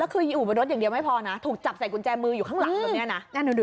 คืออยู่บนรถอย่างเดียวไม่พอนะถูกจับใส่กุญแจมืออยู่ข้างหลังแบบนี้นะ